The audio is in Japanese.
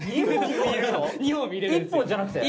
１本じゃなくて？